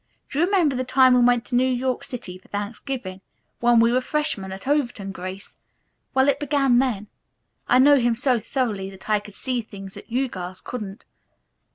Do you remember the time we went to New York City for Thanksgiving, when we were freshmen at Overton, Grace? Well, it began then. I know him so thoroughly that I could see things that you girls couldn't.